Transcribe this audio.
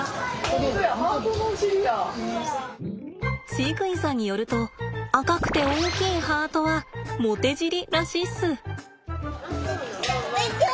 飼育員さんによると赤くて大きいハートはモテ尻らしいっす。